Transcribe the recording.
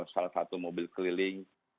salah satu mobil keliling